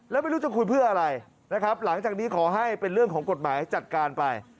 แล้วไม่รู้จะคุยเพื่ออะไรนะครับหลังจากนี้ขอให้เป็นเรื่องของกฎหมายจัดการไป